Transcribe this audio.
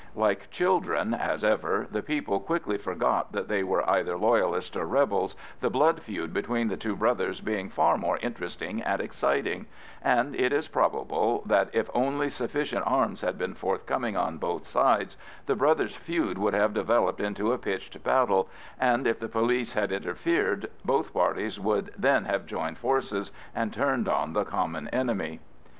Like children, as ever, the people quickly forgot that they were either Loyalists or rebels, the blood feud between the two brothers being far more interesting and exciting; and it is probable that, if only sufficient arms had been forthcoming on both sides, the brothers' feud would have developed into a pitched battle, and if the police had interfered both parties would then have joined forces and turned on the common enemy.